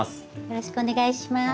よろしくお願いします。